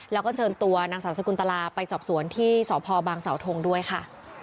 แล้วก็เชิญตัวนางสาวสกุลตลาไปสอบสวนที่สพบางสาวทงด้วยค่ะ